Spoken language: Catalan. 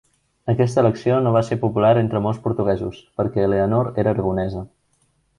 Aquesta elecció no va ser popular entre molts portuguesos, perquè Eleanor era Aragonesa.